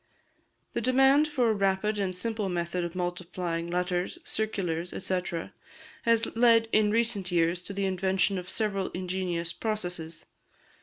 The demand for a rapid and simple method of multiplying letters, circulars, &c., has led in recent years to the invention of several ingenious processes.